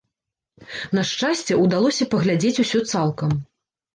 На шчасце, удалося паглядзець усё цалкам.